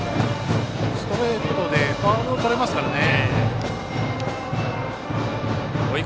ストレートでファウルとれますからね。